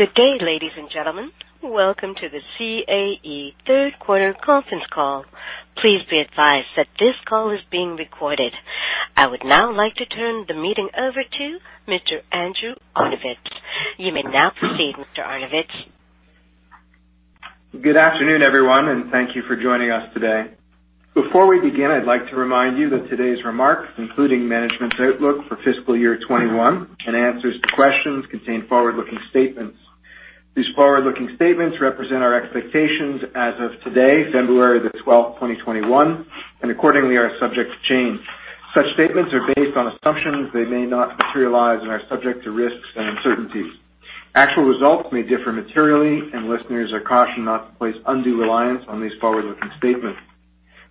Good day, ladies and gentlemen. Welcome to the CAE Third Quarter Conference Call. Please be advised that this call is being recorded. I would now like to turn the meeting over to Mr. Andrew Arnovitz. You may now proceed, Mr. Arnovitz. Good afternoon, everyone, and thank you for joining us today. Before we begin, I'd like to remind you that today's remarks, including management's outlook for fiscal year 2021 and answers to questions, contain forward-looking statements. These forward-looking statements represent our expectations as of today, February the 12th, 2021, and accordingly are subject to change. Such statements are based on assumptions that may not materialize and are subject to risks and uncertainties. Actual results may differ materially, and listeners are cautioned not to place undue reliance on these forward-looking statements.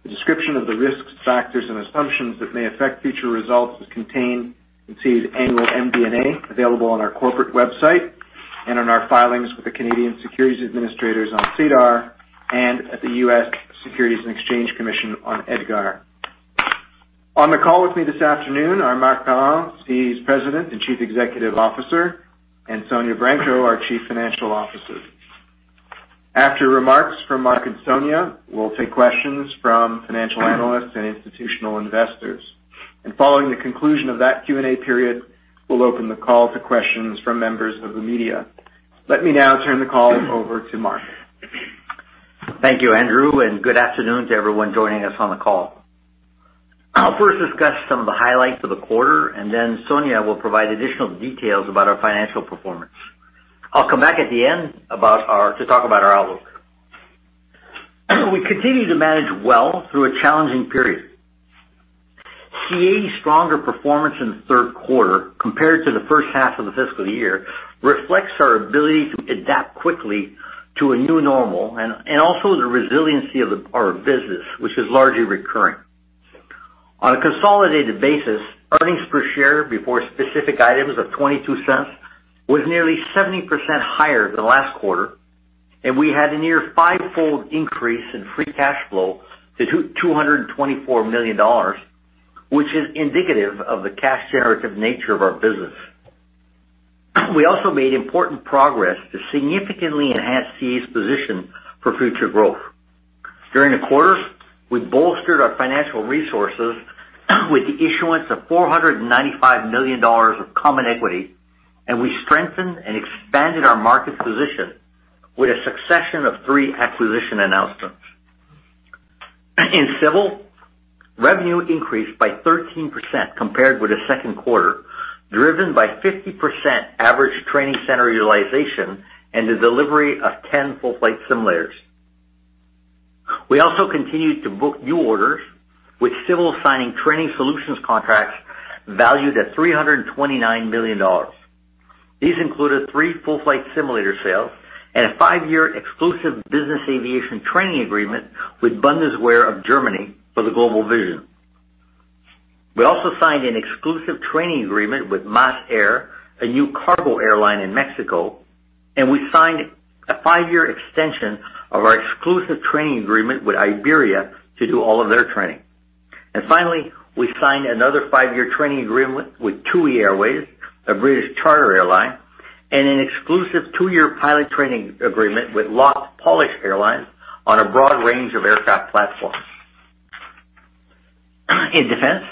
A description of the risks, factors, and assumptions that may affect future results is contained in CAE's annual MD&A, available on our corporate website and in our filings with the Canadian Securities Administrators on SEDAR and at the U.S. Securities and Exchange Commission on EDGAR. On the call with me this afternoon are Marc Parent, CAE's President and Chief Executive Officer, and Sonya Branco, our Chief Financial Officer. After remarks from Marc and Sonya, we'll take questions from financial analysts and institutional investors. Following the conclusion of that Q&A period, we'll open the call to questions from members of the media. Let me now turn the call over to Marc. Thank you, Andrew. Good afternoon to everyone joining us on the call. I'll first discuss some of the highlights of the quarter. Then Sonya will provide additional details about our financial performance. I'll come back at the end to talk about our outlook. We continue to manage well through a challenging period. CAE's stronger performance in the third quarter compared to the first half of the fiscal year reflects our ability to adapt quickly to a new normal and also the resiliency of our business, which is largely recurring. On a consolidated basis, earnings per share before specific items of 0.22 was nearly 70% higher than last quarter. We had a near five-fold increase in free cash flow to 224 million dollars, which is indicative of the cash generative nature of our business. We also made important progress to significantly enhance CAE's position for future growth. During the quarter, we bolstered our financial resources with the issuance of 495 million dollars of common equity, and we strengthened and expanded our market position with a succession of three acquisition announcements. In Civil, revenue increased by 13% compared with the second quarter, driven by 50% average training center utilization and the delivery of 10 full-flight simulators. We also continued to book new orders, with Civil signing training solutions contracts valued at 329 million dollars. These included three full-flight simulator sales and a five-year exclusive business aviation training agreement with Bundeswehr of Germany for the Global Vision. We also signed an exclusive training agreement with MasAir, a new cargo airline in Mexico, and we signed a five-year extension of our exclusive training agreement with Iberia to do all of their training. Finally, we signed another five-year training agreement with TUI Airways, a British charter airline, and an exclusive two-year pilot training agreement with LOT Polish Airlines on a broad range of aircraft platforms. In Defense,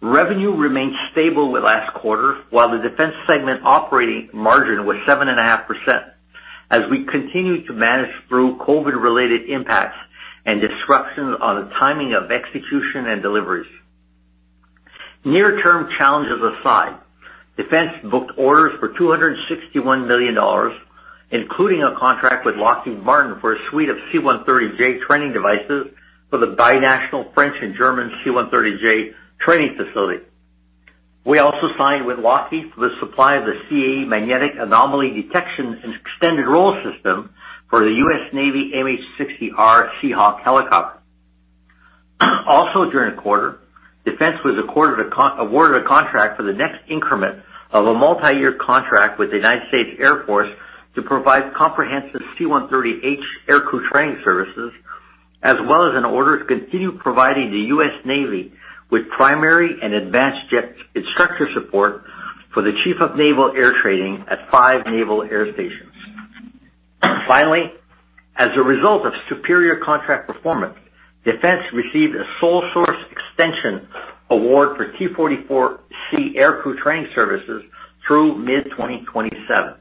revenue remained stable with last quarter, while the Defense segment operating margin was 7.5% as we continued to manage through COVID-related impacts and disruptions on the timing of execution and deliveries. Near-term challenges aside, Defense booked orders for 261 million dollars, including a contract with Lockheed Martin for a suite of C-130J training devices for the binational French and German C-130J training facility. We also signed with Lockheed for the supply of the CAE Magnetic Anomaly Detection and Extended Role System for the U.S. Navy MH-60R Seahawk helicopter. Also during the quarter, Defense was awarded a contract for the next increment of a multi-year contract with the U.S. Air Force to provide comprehensive C-130H aircrew training services, as well as an order to continue providing the U.S. Navy with primary and advanced jet instructor support for the Chief of Naval Air Training at five naval air stations. Finally, as a result of superior contract performance, Defense received a sole-source extension award for T-44C aircrew training services through mid-2027.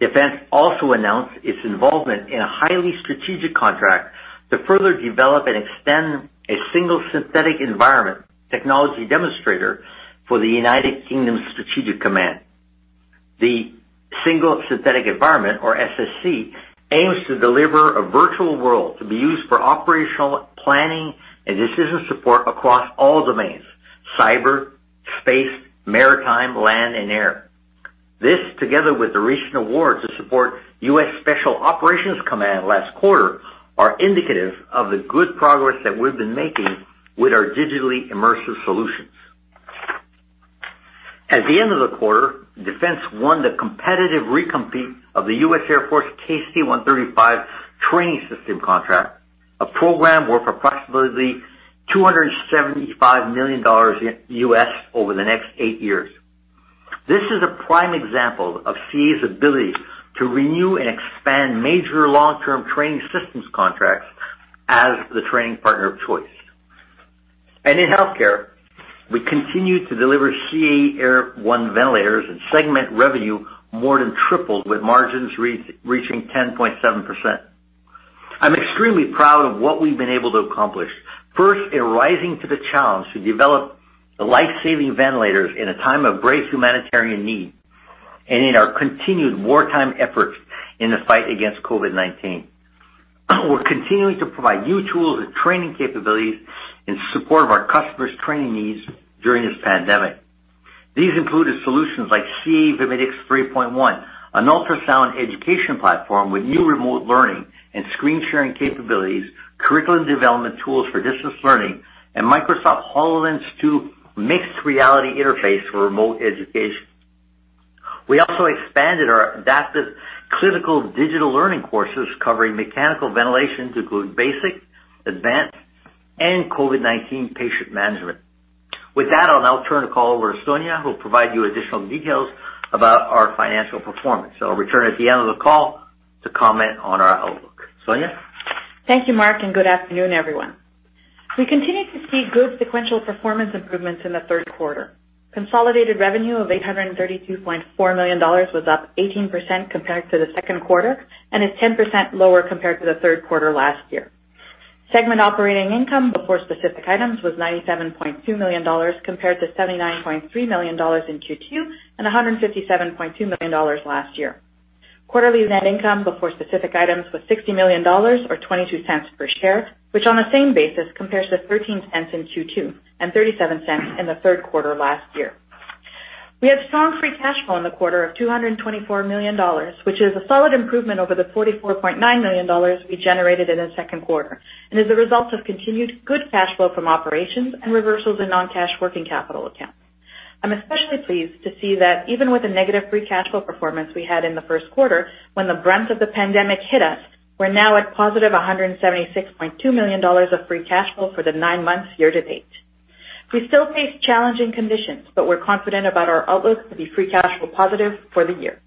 Defense also announced its involvement in a highly strategic contract to further develop and extend a Single Synthetic Environment technology demonstrator for the U.K.'s Strategic Command. The Single Synthetic Environment, or SSE, aims to deliver a virtual world to be used for operational planning and decision support across all domains: cyber, space, maritime, land, and air. This, together with the recent award to support U.S. Special Operations Command last quarter, are indicative of the good progress that we've been making with our digitally immersive solutions. At the end of the quarter, Defense won the competitive recompete of the U.S. Air Force KC-135 training system contract a program worth approximately 275 million dollars over the next eight years. This is a prime example of CAE's ability to renew and expand major long-term training systems contracts as the training partner of choice. In Healthcare, we continue to deliver CAE Air1 ventilators, and segment revenue more than tripled, with margins reaching 10.7%. I'm extremely proud of what we've been able to accomplish. First, in rising to the challenge to develop the life-saving ventilators in a time of great humanitarian need, and in our continued wartime efforts in the fight against COVID-19. We're continuing to provide new tools and training capabilities in support of our customers' training needs during this pandemic. These included solutions like CAE Vimedix 3.1, an ultrasound education platform with new remote learning and screen sharing capabilities, curriculum development tools for distance learning, and Microsoft HoloLens 2 mixed reality interface for remote education. We also expanded our adaptive clinical digital learning courses covering mechanical ventilation to include basic, advanced, and COVID-19 patient management. With that, I'll now turn the call over to Sonya, who will provide you additional details about our financial performance. I'll return at the end of the call to comment on our outlook. Sonya? Thank you, Marc. Good afternoon, everyone. We continue to see good sequential performance improvements in the third quarter. Consolidated revenue of 832.4 million dollars was up 18% compared to the second quarter and is 10% lower compared to the third quarter last year. Segment operating income before specific items was 97.2 million dollars, compared to 79.3 million dollars in Q2 and 157.2 million dollars last year. Quarterly net income before specific items was 60 million dollars, or 0.22 per share, which on the same basis compares to 0.13 in Q2 and 0.37 in the third quarter last year. We had strong free cash flow in the quarter of 224 million dollars, which is a solid improvement over the 44.9 million dollars we generated in the second quarter and is a result of continued good cash flow from operations and reversals in non-cash working capital accounts. I'm especially pleased to see that even with the negative free cash flow performance we had in the first quarter, when the brunt of the pandemic hit us, we're now at positive 176.2 million dollars of free cash flow for the nine months year to date. We still face challenging conditions, we're confident about our outlook to be free cash flow positive for the year.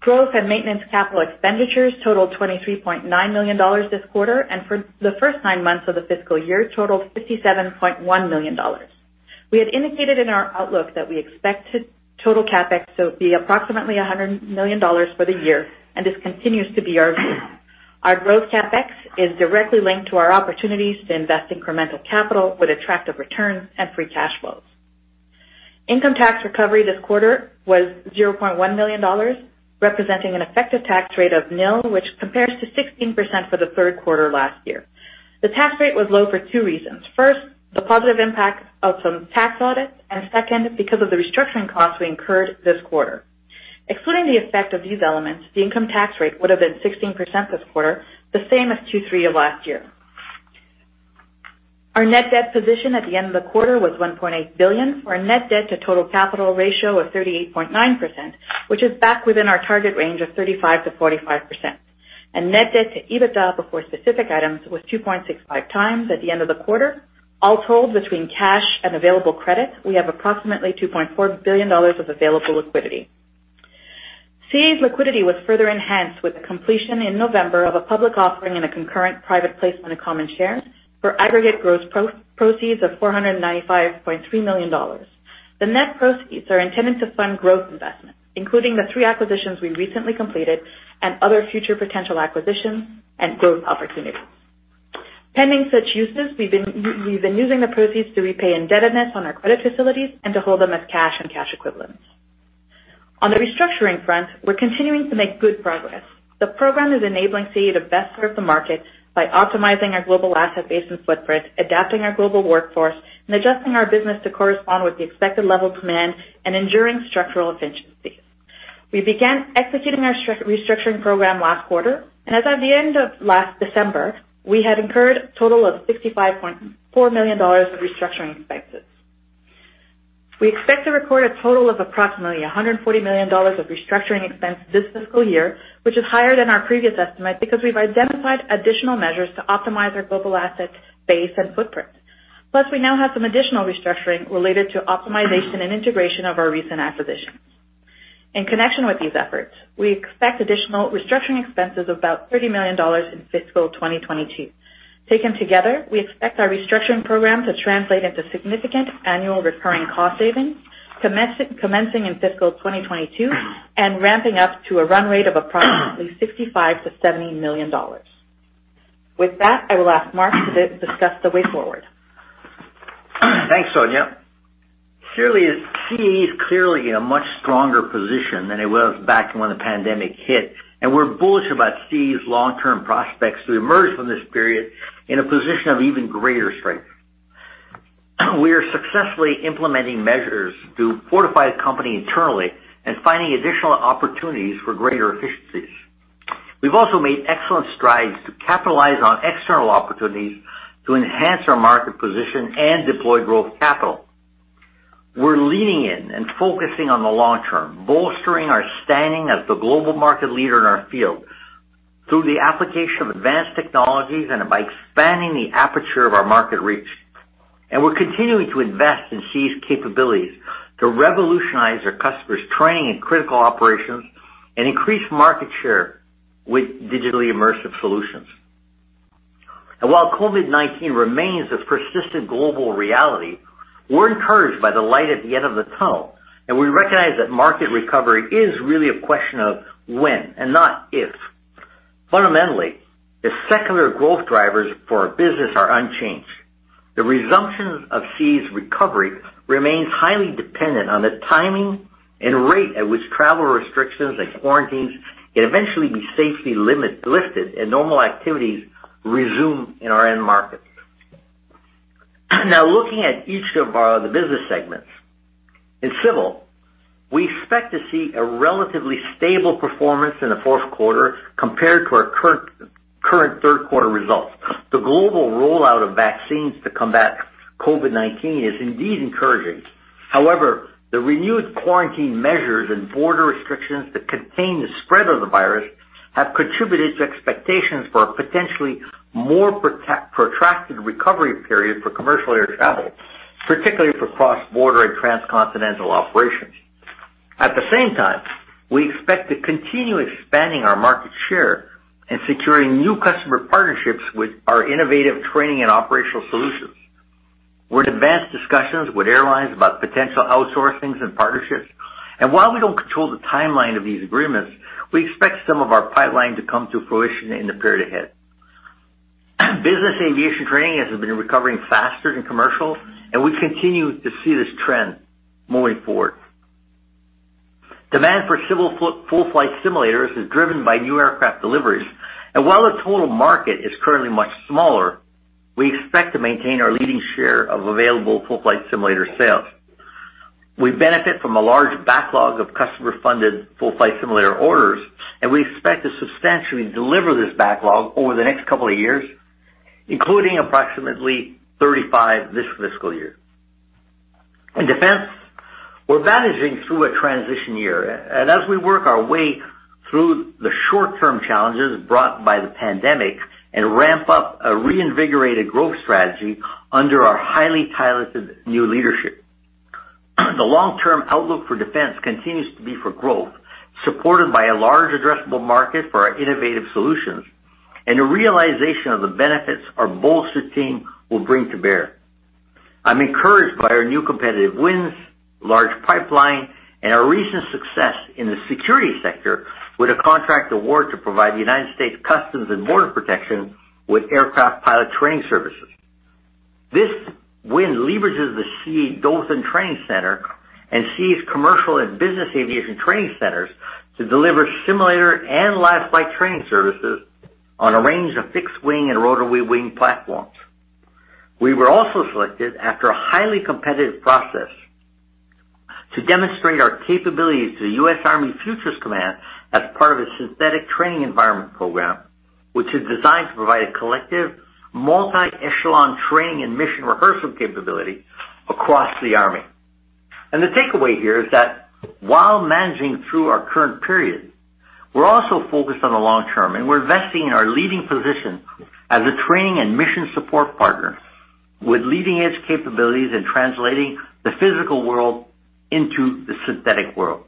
Growth and maintenance capital expenditures totaled 23.9 million dollars this quarter, and for the first nine months of the fiscal year totaled 57.1 million dollars. We had indicated in our outlook that we expect total CapEx to be approximately 100 million dollars for the year, and this continues to be our view. Our growth CapEx is directly linked to our opportunities to invest incremental capital with attractive returns and free cash flows. Income tax recovery this quarter was 0.1 million dollars, representing an effective tax rate of nil, which compares to 16% for the third quarter last year. The tax rate was low for two reasons. First, the positive impact of some tax audits, and second, because of the restructuring costs we incurred this quarter. Excluding the effect of these elements, the income tax rate would have been 16% this quarter, the same as Q3 of last year. Our net debt position at the end of the quarter was 1.8 billion for a net debt to total capital ratio of 38.9%, which is back within our target range of 35%-45%. Net debt to EBITDA before specific items was 2.65 times at the end of the quarter. All told, between cash and available credit, we have approximately 2.4 billion dollars of available liquidity. CAE's liquidity was further enhanced with the completion in November of a public offering and a concurrent private placement of common shares for aggregate gross proceeds of 495.3 million dollars. The net proceeds are intended to fund growth investments, including the three acquisitions we recently completed and other future potential acquisitions and growth opportunities. Pending such uses, we've been using the proceeds to repay indebtedness on our credit facilities and to hold them as cash and cash equivalents. On the restructuring front, we're continuing to make good progress. The program is enabling CAE to best serve the market by optimizing our global asset base and footprint, adapting our global workforce, and adjusting our business to correspond with the expected level of demand and enduring structural efficiencies. We began executing our restructuring program last quarter, and as of the end of last December, we had incurred a total of 65.4 million dollars of restructuring expenses. We expect to record a total of approximately 140 million dollars of restructuring expense this fiscal year, which is higher than our previous estimate because we've identified additional measures to optimize our global asset base and footprint. We now have some additional restructuring related to optimization and integration of our recent acquisitions. In connection with these efforts, we expect additional restructuring expenses of about 30 million dollars in fiscal 2022. Taken together, we expect our restructuring program to translate into significant annual recurring cost savings commencing in fiscal 2022 and ramping up to a run rate of approximately 65 million to 70 million dollars. With that, I will ask Marc to discuss the way forward. Thanks, Sonya. CAE is clearly in a much stronger position than it was back when the pandemic hit, and we're bullish about CAE's long-term prospects to emerge from this period in a position of even greater strength. We are successfully implementing measures to fortify the company internally and finding additional opportunities for greater efficiencies. We've also made excellent strides to capitalize on external opportunities to enhance our market position and deploy growth capital. We're leaning in and focusing on the long term, bolstering our standing as the global market leader in our field through the application of advanced technologies and by expanding the aperture of our market reach. We're continuing to invest in CAE's capabilities to revolutionize our customers' training and critical operations and increase market share with digitally immersive solutions. While COVID-19 remains a persistent global reality, we're encouraged by the light at the end of the tunnel, and we recognize that market recovery is really a question of when and not if. Fundamentally, the secular growth drivers for our business are unchanged. The resumption of CAE's recovery remains highly dependent on the timing and rate at which travel restrictions and quarantines can eventually be safely lifted and normal activities resume in our end markets. Now, looking at each of the business segments. In Civil, we expect to see a relatively stable performance in the fourth quarter compared to our current third quarter results. The global rollout of vaccines to combat COVID-19 is indeed encouraging. However, the renewed quarantine measures and border restrictions to contain the spread of the virus have contributed to expectations for a potentially more protracted recovery period for commercial air travel, particularly for cross-border and transcontinental operations. At the same time, we expect to continue expanding our market share and securing new customer partnerships with our innovative training and operational solutions. We're in advanced discussions with airlines about potential outsourcing and partnerships, and while we don't control the timeline of these agreements, we expect some of our pipeline to come to fruition in the period ahead. Business aviation training has been recovering faster than commercial, and we continue to see this trend moving forward. Demand for civil full-flight simulators is driven by new aircraft deliveries. While the total market is currently much smaller, we expect to maintain our leading share of available full-flight simulator sales. We benefit from a large backlog of customer-funded full-flight simulator orders, and we expect to substantially deliver this backlog over the next couple of years, including approximately 35 this fiscal year. In defense, we're managing through a transition year, as we work our way through the short-term challenges brought by the pandemic and ramp up a reinvigorated growth strategy under our highly talented new leadership. The long-term outlook for defense continues to be for growth, supported by a large addressable market for our innovative solutions and a realization of the benefits our bolster team will bring to bear. I'm encouraged by our new competitive wins, large pipeline, and our recent success in the security sector with a contract award to provide United States Customs and Border Protection with aircraft pilot training services. This win leverages the CAE Dothan Training Center and CAE's commercial and business aviation training centers to deliver simulator and live flight training services on a range of fixed-wing and rotary-wing platforms. We were also selected after a highly competitive process to demonstrate our capabilities to the U.S. Army Futures Command as part of a Synthetic Training Environment Program, which is designed to provide a collective multi-echelon training and mission rehearsal capability across the Army. The takeaway here is that while managing through our current period, we're also focused on the long term, and we're investing in our leading position as a training and mission support partner with leading-edge capabilities in translating the physical world into the synthetic world.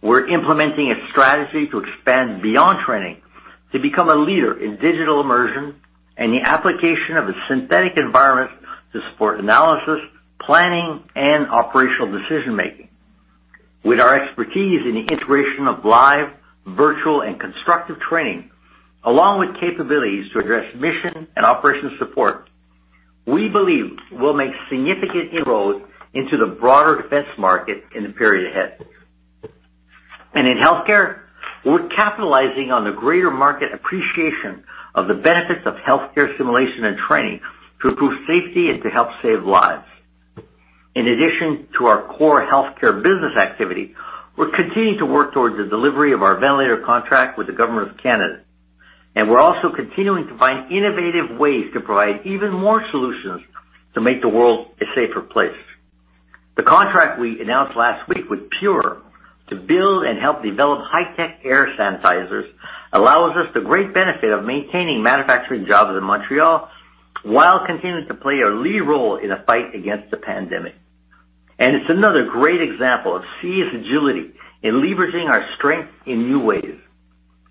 We're implementing a strategy to expand beyond training to become a leader in digital immersion and the application of a synthetic environment to support analysis, planning, and operational decision-making. With our expertise in the integration of live, virtual, and constructive training, along with capabilities to address mission and operations support, we believe we'll make significant inroads into the broader defense market in the period ahead. In healthcare, we're capitalizing on the greater market appreciation of the benefits of healthcare simulation and training to improve safety and to help save lives. In addition to our core healthcare business activity, we're continuing to work towards the delivery of our ventilator contract with the Government of Canada, and we're also continuing to find innovative ways to provide even more solutions to make the world a safer place. The contract we announced last week with Pyure to build and help develop high-tech air sanitizers allows us the great benefit of maintaining manufacturing jobs in Montreal while continuing to play a lead role in the fight against the pandemic. It's another great example of CAE's agility in leveraging our strength in new ways.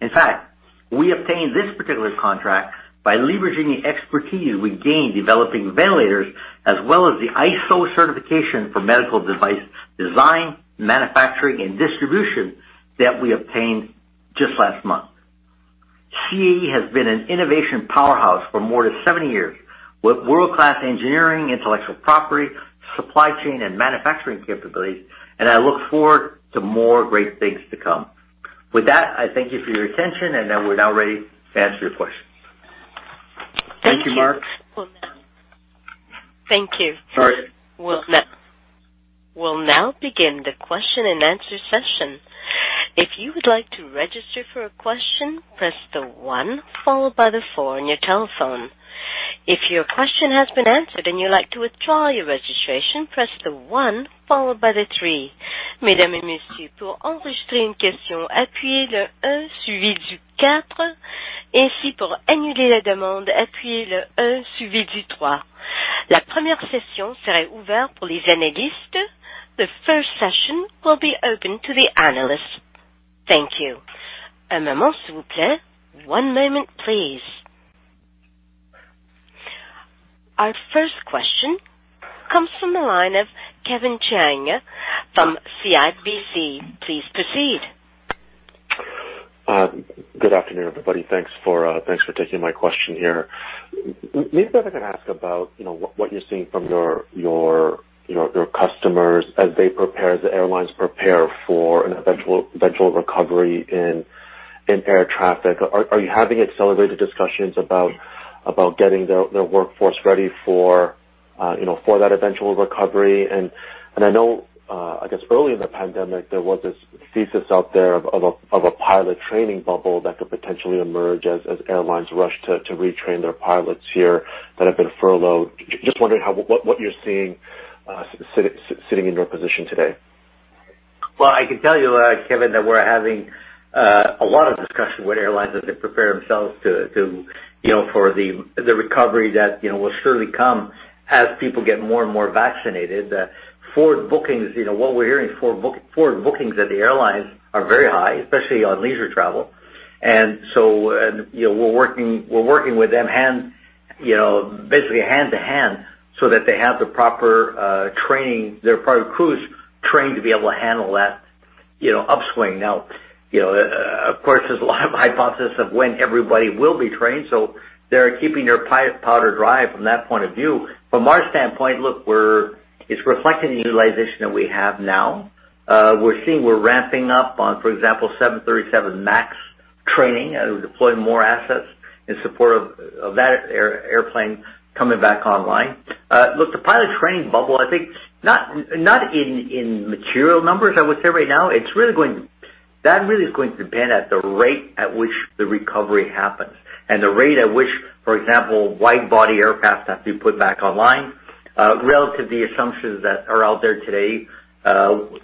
In fact, we obtained this particular contract by leveraging the expertise we gained developing ventilators as well as the ISO certification for medical device design, manufacturing, and distribution that we obtained just last month. CAE has been an innovation powerhouse for more than 70 years, with world-class engineering, intellectual property, supply chain, and manufacturing capabilities, and I look forward to more great things to come. With that, I thank you for your attention. We're now ready to answer your questions. Thank you. Marc Thank you. We will now begin the question-and-answer session. If you would like to register for a question, press the one followed by the four on your telephone. If you question has been answered and you like to withdraw your registration, press the one followed by the three. The first session will be open to the analysts. Thank you. One moment, please. Our first question comes from the line of Kevin Chiang from CIBC. Please proceed. Good afternoon, everybody. Thanks for taking my question here. Maybe if I can ask about what you're seeing from your customers as the airlines prepare for an eventual recovery in air traffic. Are you having accelerated discussions about getting their workforce ready for that eventual recovery? I know, I guess early in the pandemic, there was this thesis out there of a pilot training bubble that could potentially emerge as airlines rush to retrain their pilots here that have been furloughed. Just wondering what you're seeing sitting in your position today. Well, I can tell you, Kevin, that we're having a lot of discussion with airlines as they prepare themselves for the recovery that will surely come as people get more and more vaccinated. What we're hearing is forward bookings at the airlines are very high, especially on leisure travel. We're working with them basically hand to hand so that they have their crews trained to be able to handle that upswing. Now, of course, there's a lot of hypothesis of when everybody will be trained, they're keeping their powder dry from that point of view. From our standpoint, look, it's reflecting the utilization that we have now. We're seeing we're ramping up on, for example, 737 MAX training and deploying more assets in support of that airplane coming back online. Look, the pilot training bubble, I think not in material numbers, I would say right now. That really is going to depend at the rate at which the recovery happens and the rate at which, for example, wide-body aircraft have to be put back online relative to the assumptions that are out there today,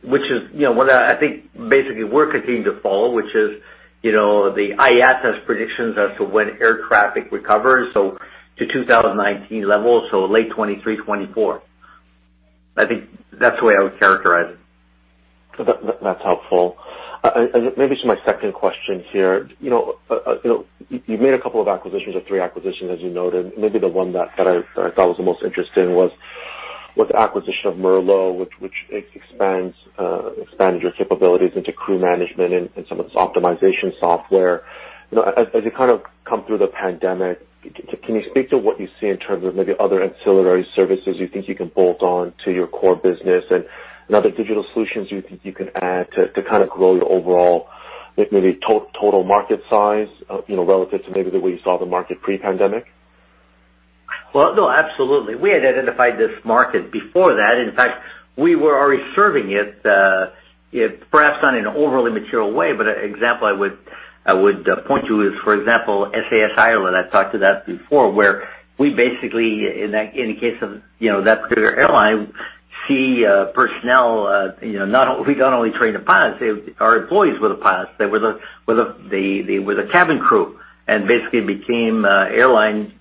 which is what I think basically we are continuing to follow, which is the IATA's predictions as to when air traffic recovers, so to 2019 levels, so late 2023, 2024. I think that is the way I would characterize it. That's helpful. Maybe to my second question here. You've made a couple of acquisitions or three acquisitions, as you noted. Maybe the one that I thought was the most interesting was the acquisition of Merlot, which expands your capabilities into crew management and some of its optimization software. As you come through the pandemic, can you speak to what you see in terms of maybe other ancillary services you think you can bolt on to your core business and other digital solutions you think you can add to grow your overall, maybe total market size, relative to maybe the way you saw the market pre-pandemic? No, absolutely. We had identified this market before that. In fact, we were already serving it, perhaps not in an overly material way, but an example I would point to is, for example, SAS Ireland. I've talked to that before, where we basically, in the case of that particular airline, see personnel. We don't only train the pilots. Our employees were the pilots. They were the cabin crew and basically became airline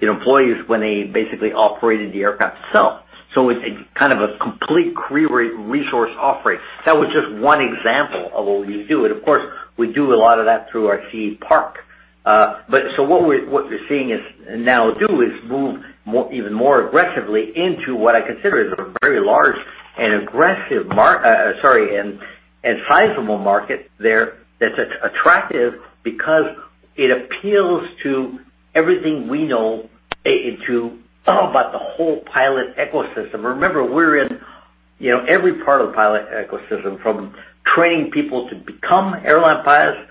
employees when they basically operated the aircraft itself. It's a complete career resource offering. That was just one example of what we do, and of course, we do a lot of that through our CAE Parc. What we're seeing is now do is move even more aggressively into what I consider is a very large and sizable market there that's attractive because it appeals to everything we know about the whole pilot ecosystem. Remember, we're in every part of the pilot ecosystem, from training people to become airline pilots,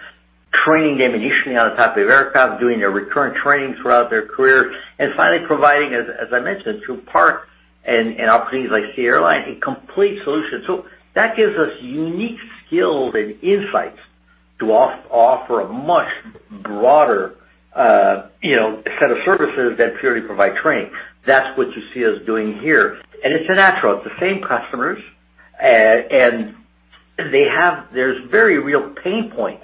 training them initially on the type of aircraft, doing their recurrent training throughout their career, and finally providing, as I mentioned, through Parc and offerings like CAE Airline, a complete solution. That gives us unique skills and insights to offer a much broader set of services than purely provide training. That's what you see us doing here, and it's a natural. It's the same customers, and there's very real pain points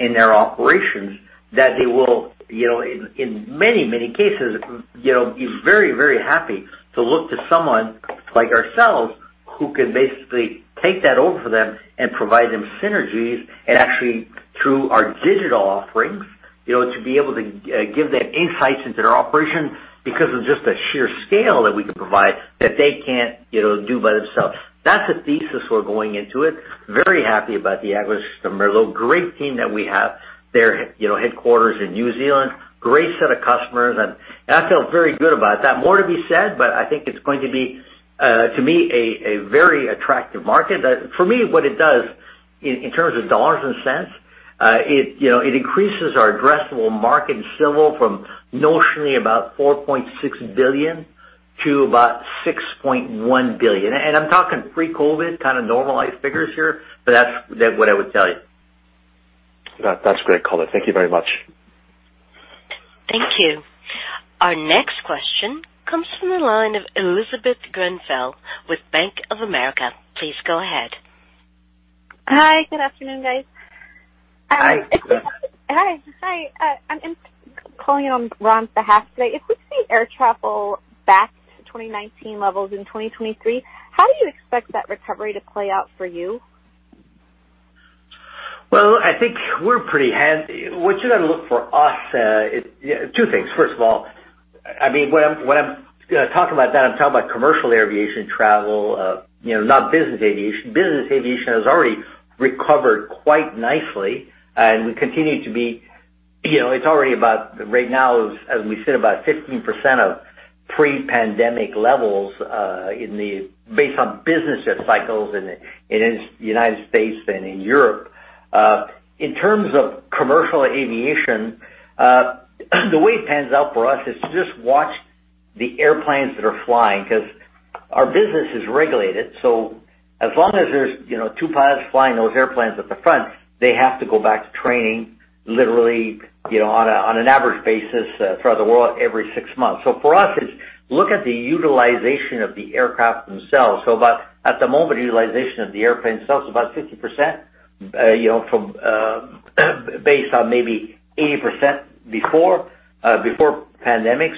in their operations that they will, in many cases, be very happy to look to someone like ourselves who can basically take that over for them and provide them synergies and actually through our digital offerings, to be able to give them insights into their operation because of just the sheer scale that we can provide that they can't do by themselves. That's the thesis we're going into it. Very happy about the acquisition of Merlot Aero. Great team that we have there, headquarters in New Zealand. Great set of customers, and I feel very good about that. More to be said, but I think it's going to be, to me, a very attractive market. For me, what it does in terms of dollars and cents, it increases our addressable market in civil from notionally about 4.6 billion to about 6.1 billion. I'm talking pre-COVID, kind of normalized figures here, but that's what I would tell you. That's great, Color. Thank you very much. Thank you. Our next question comes from the line of Elizabeth Grenfell with Bank of America. Please go ahead. Hi, good afternoon, guys. Hi, Elizabeth Hi. I'm calling on Ron's behalf today. If we see air travel back to 2019 levels in 2023, how do you expect that recovery to play out for you? Well, I think we're pretty hand What you got to look for us, two things. First of all, when I'm talking about that, I'm talking about commercial aviation travel, not business aviation. Business aviation has already recovered quite nicely. It's already about, right now, as we sit, about 15% of pre-pandemic levels based on business cycles in the U.S. and in Europe. In terms of commercial aviation, the way it pans out for us is to just watch the airplanes that are flying because our business is regulated, so as long as there's two pilots flying those airplanes at the front, they have to go back to training literally, on an average basis, throughout the world every six months. For us, it's look at the utilization of the aircraft themselves. About at the moment, utilization of the airplane itself is about 50%, based on maybe 80% before pandemic.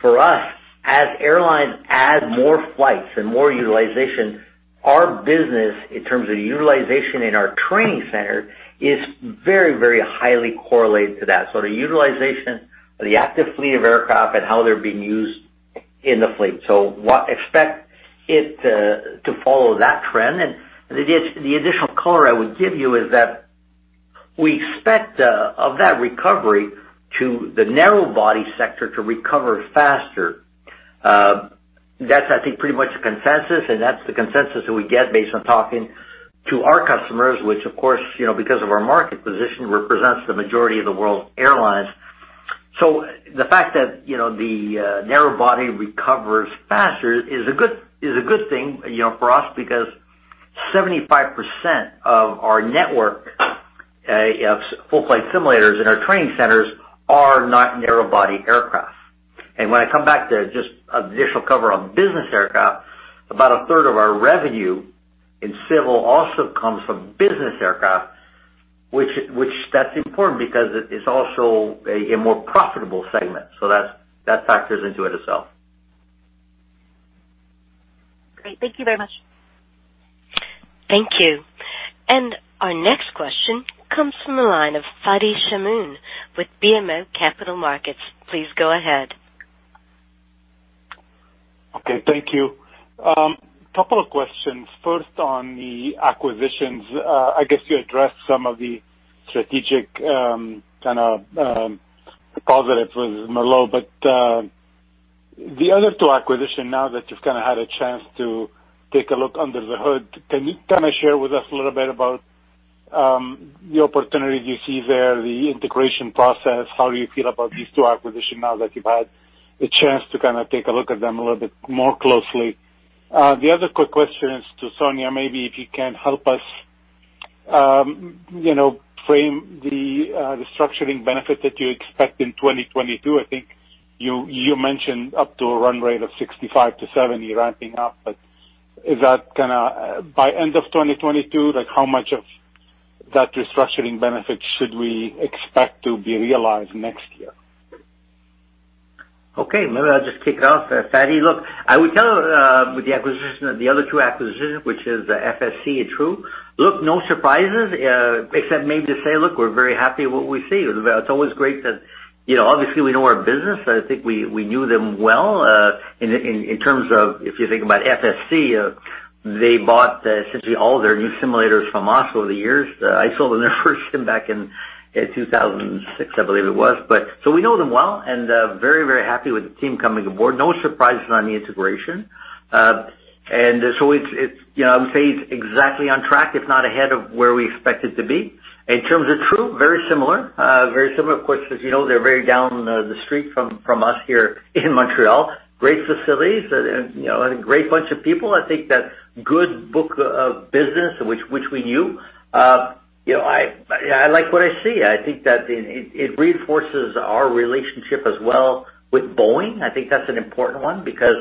For us, as airlines add more flights and more utilization, our business in terms of utilization in our training center is very highly correlated to that. The utilization of the active fleet of aircraft and how they're being used in the fleet. Expect it to follow that trend. The additional color I would give you is that we expect of that recovery to the narrow body sector to recover faster. That's, I think, pretty much the consensus, and that's the consensus that we get based on talking to our customers, which of course, because of our market position, represents the majority of the world's airlines. The fact that the narrow body recovers faster is a good thing for us because 75% of our network of full-flight simulators in our training centers are not narrow body aircraft. When I come back to just additional cover on business aircraft, about a third of our revenue in civil also comes from business aircraft, which that's important because it is also a more profitable segment. That factors into it itself. Great. Thank you very much. Thank you. Our next question comes from the line of Fadi Chamoun with BMO Capital Markets. Please go ahead. Okay. Thank you. Couple of questions. First, on the acquisitions, I guess you addressed some of the strategic kind of positives with Merlot, the other two acquisition now that you've kind of had a chance to take a look under the hood, can you share with us a little bit about the opportunity you see there, the integration process? How do you feel about these two acquisitions now that you've had a chance to take a look at them a little bit more closely? The other quick question is to Sonya, maybe if you can help us frame the restructuring benefit that you expect in 2022. I think you mentioned up to a run rate of 65 to 70 ramping up. Is that by end of 2022? How much of that restructuring benefit should we expect to be realized next year? Okay, maybe I'll just kick it off. Fadi, look, I would tell with the acquisition, the other two acquisitions, which is FSC and TRU, look, no surprises, except maybe to say, look, we're very happy with what we see. It's always great that obviously we know our business. I think we knew them well. In terms of, if you think about FSC, they bought essentially all their new simulators from us over the years. I sold them their first sim back in 2006, I believe it was. We know them well and very happy with the team coming aboard. No surprises on the integration. I would say it's exactly on track, if not ahead of where we expect it to be. In terms of TRU, very similar. Of course, as you know, they're very down the street from us here in Montreal. Great facilities and a great bunch of people. I think that good book of business, which we knew. I like what I see. I think that it reinforces our relationship as well with Boeing. I think that's an important one because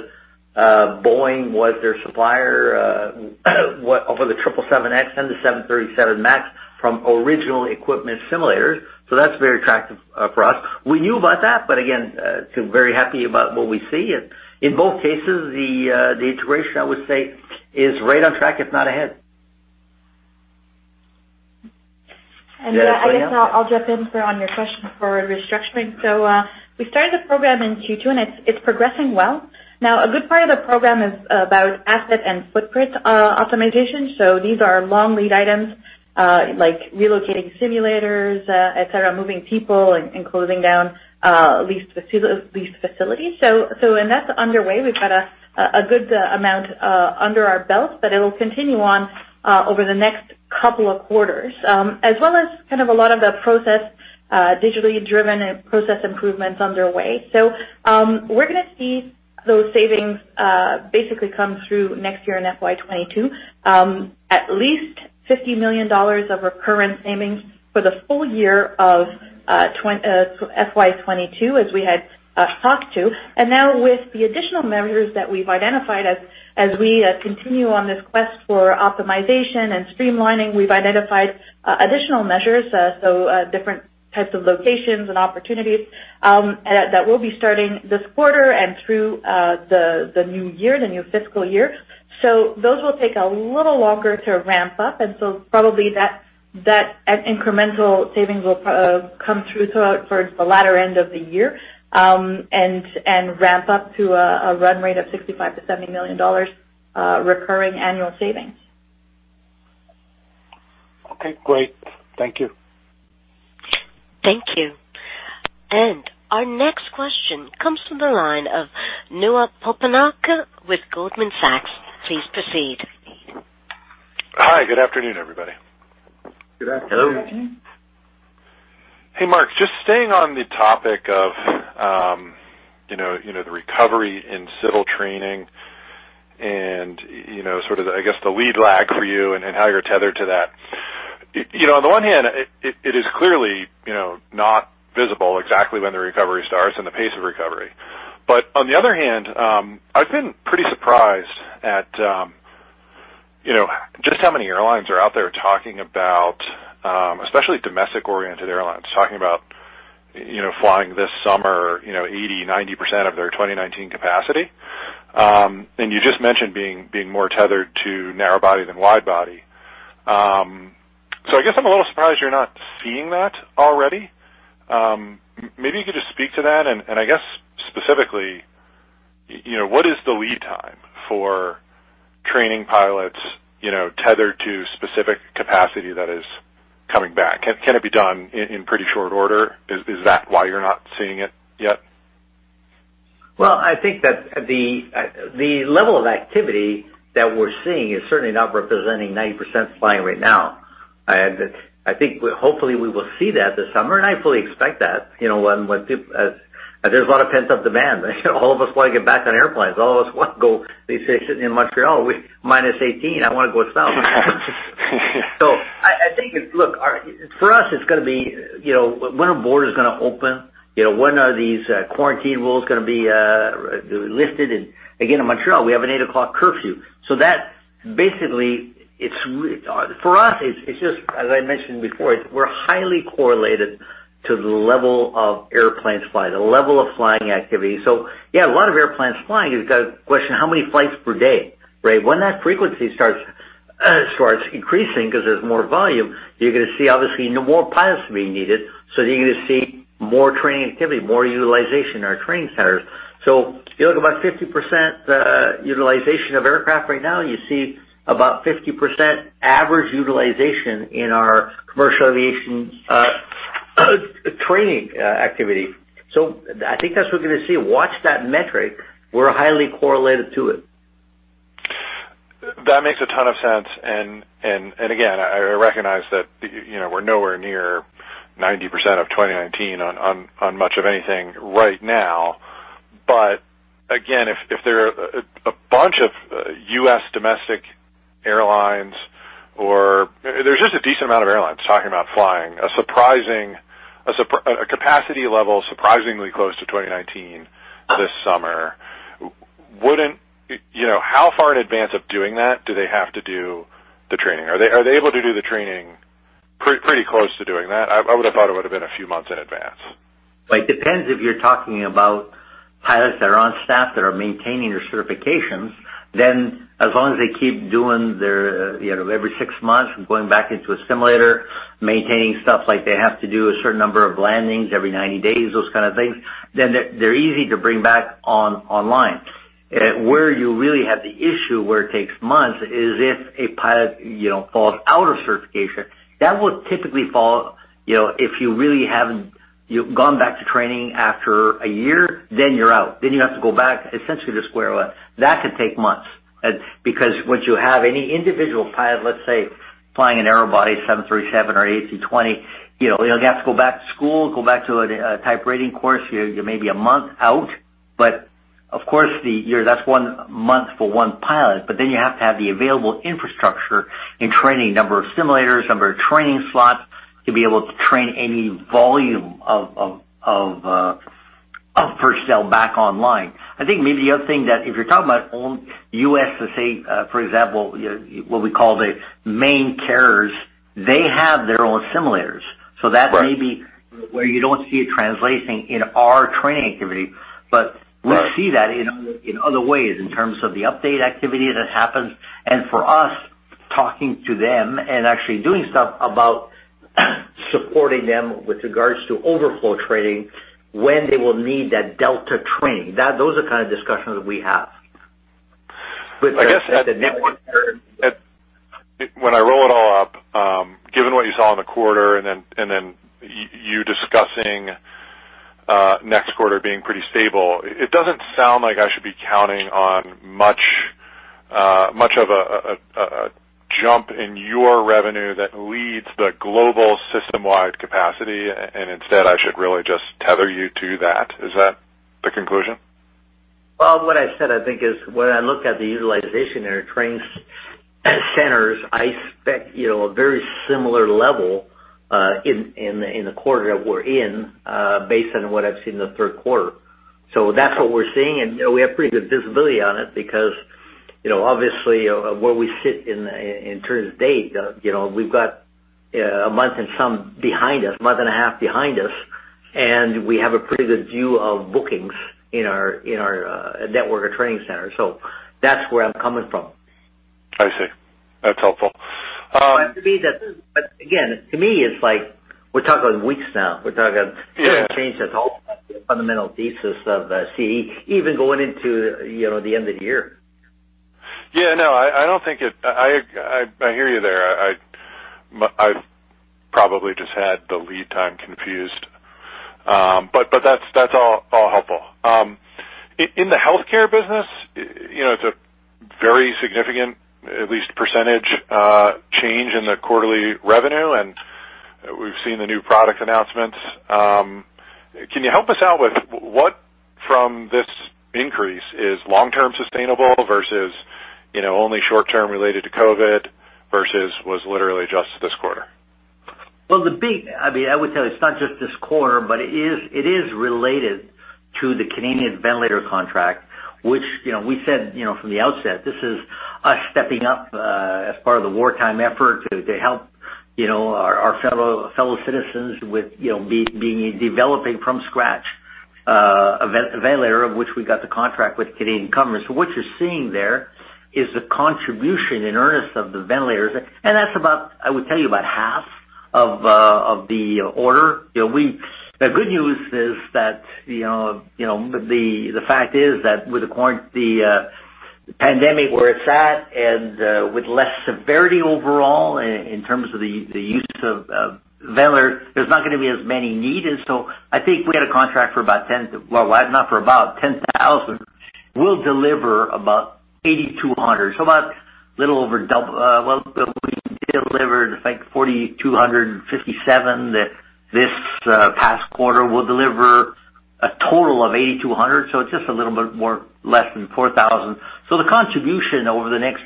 Boeing was their supplier for the 777X and the 737 MAX from original equipment simulators. That's very attractive for us. We knew about that, but again, very happy about what we see. In both cases, the integration, I would say, is right on track, if not ahead Sonya? I guess I'll jump in on your question for restructuring. We started the program in Q2, and it's progressing well. Now, a good part of the program is about asset and footprint optimization. These are long lead items, like relocating simulators, et cetera, moving people and closing down leased facilities. That's underway. We've got a good amount under our belt, but it'll continue on over the next couple of quarters. As well as kind of a lot of the process digitally driven and process improvements underway. We're going to see those savings basically come through next year in FY 2022. At least 50 million dollars of recurrent savings for the full year of FY 2022, as we had talked to. Now with the additional measures that we've identified as we continue on this quest for optimization and streamlining, we've identified additional measures, so different types of locations and opportunities, that will be starting this quarter and through the new year, the new fiscal year. Those will take a little longer to ramp up, probably that incremental savings will come through towards the latter end of the year, and ramp up to a run rate of 65 million-70 million dollars recurring annual savings. Okay, great. Thank you. Thank you. Our next question comes from the line of Noah Poponak with Goldman Sachs. Please proceed. Hi, good afternoon, everybody. Good afternoon. Good afternoon. Hey, Marc, just staying on the topic of the recovery in civil training and sort of, I guess, the lead lag for you and how you're tethered to that. On the one hand, it is clearly not visible exactly when the recovery starts and the pace of recovery. On the other hand, I've been pretty surprised at just how many airlines are out there talking about, especially domestic-oriented airlines, talking about flying this summer 80%, 90% of their 2019 capacity. You just mentioned being more tethered to narrow body than wide body. I guess I'm a little surprised you're not seeing that already. Maybe you could just speak to that, I guess specifically, what is the lead time for training pilots tethered to specific capacity that is coming back? Can it be done in pretty short order? Is that why you're not seeing it yet? Well, I think that the level of activity that we're seeing is certainly not representing 90% flying right now. I think, hopefully, we will see that this summer, and I fully expect that. There's a lot of pent-up demand. All of us want to get back on airplanes. They say sitting in Montreal, -18, I want to go south. I think, look, for us, it's going to be when a border is going to open. When are these quarantine rules going to be lifted? Again, in Montreal, we have an 8:00 curfew. That basically, for us, it's just as I mentioned before, we're highly correlated to the level of airplanes flying, the level of flying activity. Yeah, a lot of airplanes flying. You've got to question how many flights per day, right? When that frequency starts increasing because there's more volume, you're going to see, obviously, more pilots being needed, you're going to see more training activity, more utilization in our training centers. If you look about 50% utilization of aircraft right now, you see about 50% average utilization in our commercial aviation training activity. I think that's what we're going to see. Watch that metric. We're highly correlated to it. That makes a ton of sense. Again, I recognize that we're nowhere near 90% of 2019 on much of anything right now. Again, if there are a bunch of U.S. domestic airlines, there's just a decent amount of airlines talking about flying a capacity level surprisingly close to 2019 this summer. How far in advance of doing that do they have to do the training? Are they able to do the training pretty close to doing that? I would have thought it would have been a few months in advance. It depends if you're talking about pilots that are on staff that are maintaining their certifications. As long as they keep doing their every six months, going back into a simulator, maintaining stuff like they have to do a certain number of landings every 90 days, those kind of things, then they're easy to bring back online. Where you really have the issue, where it takes months, is if a pilot falls out of certification. That would typically fall if you really haven't gone back to training after a year, then you're out. You have to go back essentially to square one. That could take months. Once you have any individual pilot, let's say, flying a narrow body 737 or A220, they're going to have to go back to school, go back to a type-rating course. You may be a month out. Of course, that's one month for one pilot. Then you have to have the available infrastructure in training, number of simulators, number of training slots to be able to train any volume of personnel back online. I think maybe the other thing that if you're talking about U.S., let's say, for example, what we call the main carriers, they have their own simulators. Right. That may be where you don't see it translating in our training activity. Right We see that in other ways, in terms of the update activity that happens, and for us talking to them and actually doing stuff about supporting them with regards to overflow training when they will need that delta training. Those are the kind of discussions we have. I guess when I roll it all up, given what you saw in the quarter and then you discussing next quarter being pretty stable. It doesn't sound like I should be counting on much of a jump in your revenue that leads the global system-wide capacity, and instead I should really just tether you to that. Is that the conclusion? What I said, I think is when I look at the utilization in our training centers, I expect a very similar level in the quarter that we're in based on what I've seen in the third quarter. That's what we're seeing, and we have pretty good visibility on it because obviously where we sit in terms of date, we've got a month and some behind us, a month and a half behind us, and we have a pretty good view of bookings in our network of training centers. That's where I'm coming from. I see. That's helpful. Again, to me, it's like we're talking about weeks now. Yeah change that's ultimately the fundamental thesis of CAE even going into the end of the year. Yeah. No, I hear you there. I probably just had the lead time confused. That's all helpful. In the healthcare business, it's a very significant, at least percentage, change in the quarterly revenue, and we've seen the new product announcements. Can you help us out with what from this increase is long-term sustainable versus only short-term related to COVID versus was literally just this quarter? I would tell you it's not just this quarter, but it is related to the Canadian ventilator contract, which we said from the outset, this is us stepping up as part of the wartime effort to help our fellow citizens with developing from scratch a ventilator of which we got the contract with Canadian Commerce. What you're seeing there is the contribution in earnest of the ventilators, and that's about, I would tell you, about half of the order. The good news is that the fact is that with the pandemic where it's at and with less severity overall in terms of the use of ventilators, there's not going to be as many needed. I think we got a contract for about 10. Not for about 10,000. We'll deliver about 8,200. About a little over double. We delivered, I think, 4,257 this past quarter. We'll deliver a total of 8,200. It's just a little bit less than 4,000. The contribution over the next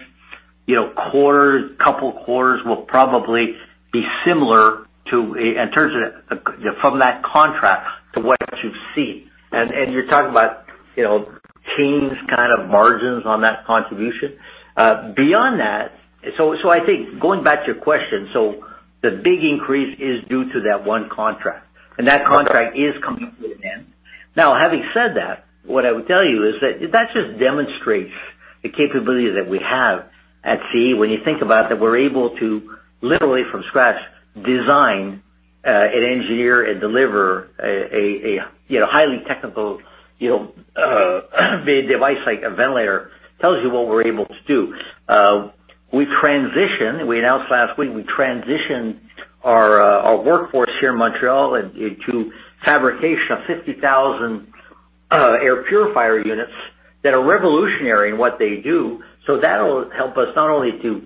couple of quarters will probably be similar from that contract to what you see. You're talking about teens kind of margins on that contribution. Beyond that, I think going back to your question, the big increase is due to that one contract, that contract is coming to an end. Now, having said that, what I would tell you is that just demonstrates the capability that we have at CAE. When you think about that we're able to literally from scratch design and engineer and deliver a highly technical device like a ventilator, tells you what we're able to do. We announced last week we transitioned our workforce here in Montreal into fabrication of 50,000 air purifier units that are revolutionary in what they do. That'll help us not only to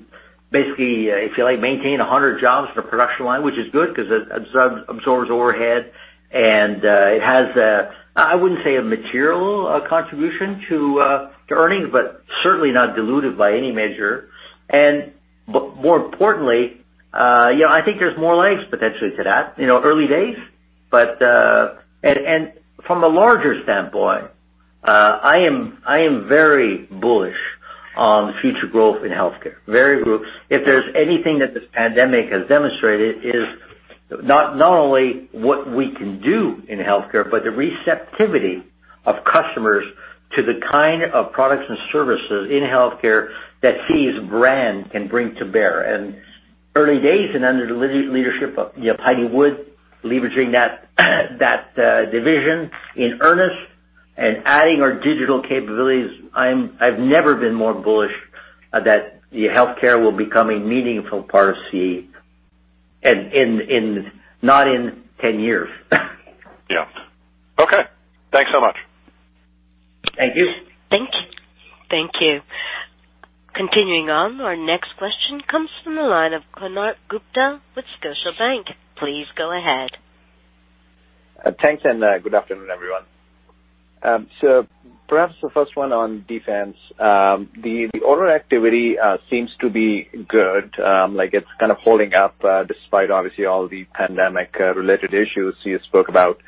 basically, if you like, maintain 100 jobs for production line, which is good because it absorbs overhead, and it has, I wouldn't say a material contribution to earnings, but certainly not dilutive by any measure. More importantly, I think there's more legs potentially to that. Early days. From a larger standpoint, I am very bullish on future growth in healthcare. Very bullish. If there's anything that this pandemic has demonstrated is not only what we can do in healthcare, but the receptivity of customers to the kind of products and services in healthcare that CAE's brand can bring to bear. Early days and under the leadership of Heidi Wood, leveraging that division in earnest and adding our digital capabilities, I've never been more bullish that healthcare will become a meaningful part of CAE not in 10 years. Yeah. Okay. Thanks so much. Thank you. Thank you. Continuing on, our next question comes from the line of Konark Gupta with Scotiabank. Please go ahead. Thanks, good afternoon, everyone. Perhaps the first one on defense. The order activity seems to be good. Like it's kind of holding up despite obviously all the pandemic-related issues you spoke about.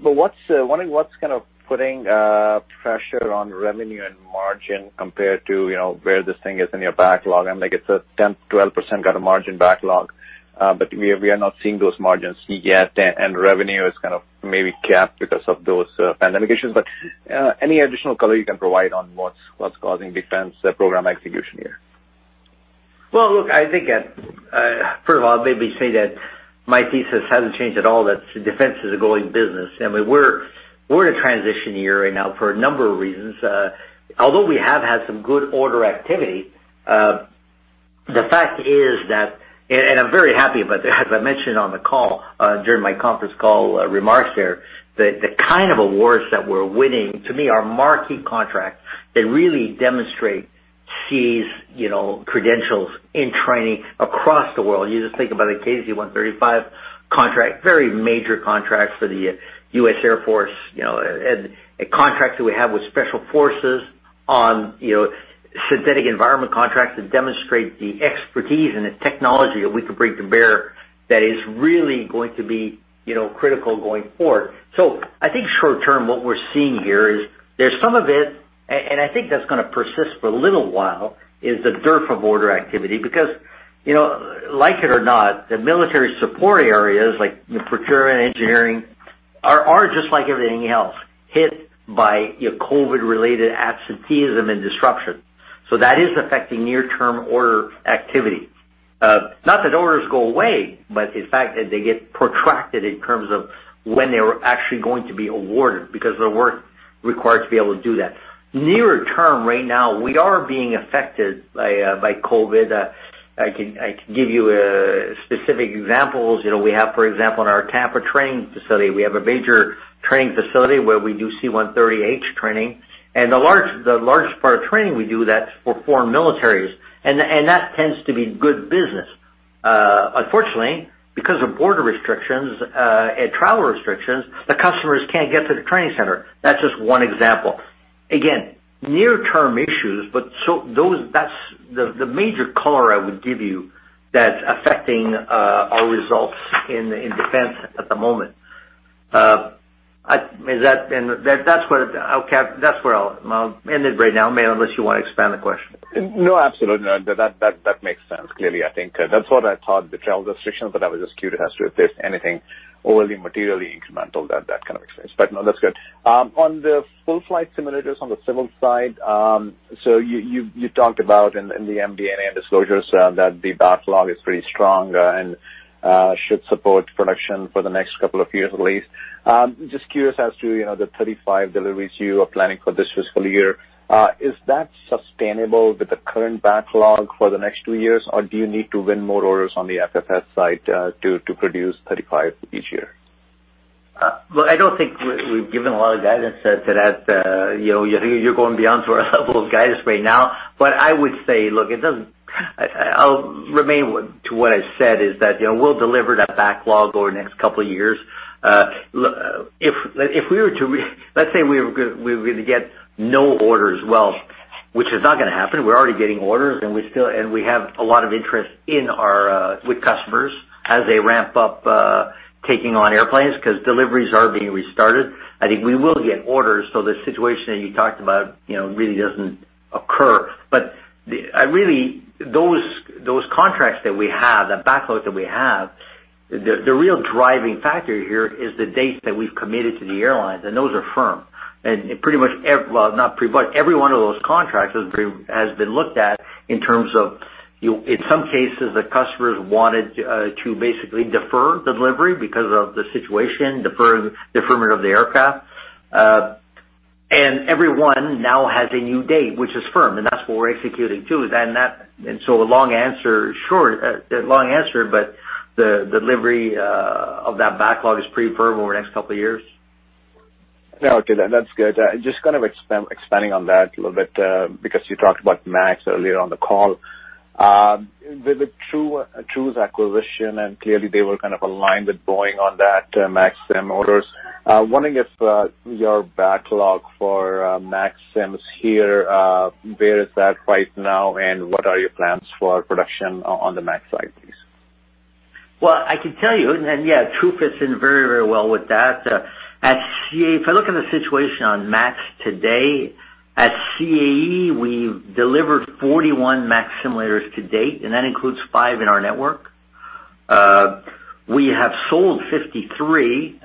Wondering what's kind of putting pressure on revenue and margin compared to where this thing is in your backlog. Like it's a 10-,12% kind of margin backlog, but we are not seeing those margins yet, and revenue is kind of maybe capped because of those pandemic issues. Any additional color you can provide on what's causing defense program execution here? Well, look, I think, first of all, let me say that my thesis hasn't changed at all, that defense is a growing business. I mean, we're in a transition year right now for a number of reasons. Although we have had some good order activity. The fact is that, and I'm very happy about that, as I mentioned on the call, during my conference call remarks there, the kind of awards that we're winning, to me, are marquee contracts that really demonstrate CAE's credentials in training across the world. You just think about the KC-135 contract, very major contracts for the U.S. Air Force, and a contract that we have with Special Forces on synthetic environment contracts that demonstrate the expertise and the technology that we can bring to bear that is really going to be critical going forward. I think short-term, what we're seeing here is there's some of it, and I think that's going to persist for a little while, is the dearth of order activity because, like it or not, the military support areas like procurement, engineering, are just like everything else, hit by COVID-related absenteeism and disruption. That is affecting near-term order activity. Not that orders go away, but the fact that they get protracted in terms of when they're actually going to be awarded because of the work required to be able to do that. Near-term, right now, we are being affected by COVID. I can give you specific examples. We have, for example, in our Tampa training facility, we have a major training facility where we do C-130H training, and the largest part of training we do that's for foreign militaries, and that tends to be good business. Unfortunately, because of border restrictions, and travel restrictions, the customers can't get to the training center. That's just one example. Again, near-term issues. The major color I would give you that's affecting our results in defense at the moment. That's where I'll end it right now, unless you want to expand the question. Absolutely. That makes sense. Clearly, I think that's what I thought, the travel restrictions, but I was just curious as to if there's anything overly materially incremental that kind of explains. No, that's good. On the full-flight simulators on the civil side, you talked about in the MD&A disclosures that the backlog is pretty strong and should support production for the next couple of years at least. Just curious as to the 35 deliveries you are planning for this fiscal year. Is that sustainable with the current backlog for the next two years, or do you need to win more orders on the FFS side to produce 35 each year? Look, I don't think we've given a lot of guidance to that. You're going beyond to our level of guidance right now. I would say, look, I'll remain to what I said, is that we'll deliver that backlog over the next couple of years. Let's say we were going to get no orders. Which is not going to happen. We're already getting orders, and we have a lot of interest with customers as they ramp up taking on airplanes because deliveries are being restarted. I think we will get orders, so the situation that you talked about really doesn't occur. Really, those contracts that we have, that backlog that we have, the real driving factor here is the dates that we've committed to the airlines, and those are firm. Every one of those contracts has been looked at in terms of, in some cases, the customers wanted to basically defer the delivery because of the situation, deferment of the aircraft. Every one now has a new date, which is firm, and that's what we're executing to. A long answer, but the delivery of that backlog is pretty firm over the next couple of years. No, okay, that's good. Just kind of expanding on that a little bit, because you talked about MAX earlier on the call. With the TRU acquisition, and clearly they were kind of aligned with Boeing on that MAX sim orders, wondering if your backlog for MAX sims here, where is that right now, and what are your plans for production on the MAX side, please? I can tell you, TRU fits in very well with that. If I look at the situation on MAX today, at CAE, we've delivered 41 MAX simulators to date, and that includes 5 in our network. We have sold 53.